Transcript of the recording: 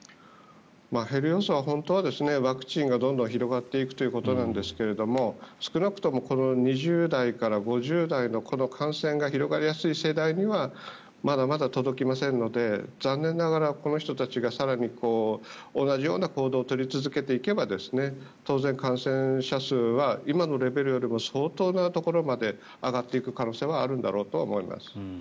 減る要素は本当はワクチンがどんどん広がっていくことなんですが少なくともこの２０代から５０代のこの感染が広がりやすい世代にはまだまだ届きませんので残念ながらこの人たちが更に同じような行動を取り続けていけば当然、感染者数は今のレベルよりも相当なところまで上がっていく可能性はあるんだろうと思います。